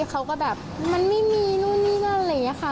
เขาก็แบบมันไม่มีนู่นนี่นั่นอะไรอย่างนี้ค่ะ